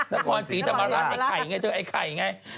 นครสีธรรมาณไอไข่ไงเจ้าไอไข่ไง